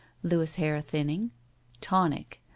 Louis' hair thinning. Tonic.